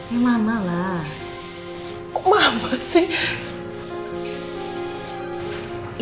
emang malah hai kok mama sih